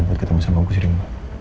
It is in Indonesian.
untuk ketemu sama kusiri mbah